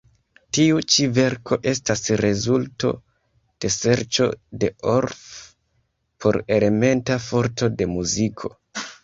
Tiu ĉi verko estas rezulto de serĉo de Orff por elementa forto de muziko.